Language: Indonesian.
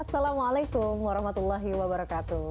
assalamualaikum warahmatullahi wabarakatuh